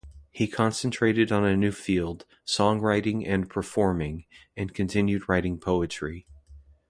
He concentrated on a new field, song-writing and performing, and continued writing poetry.